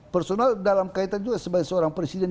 personal dalam kaitan juga sebagai seorang presiden